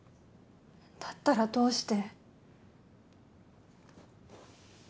だったらどうして。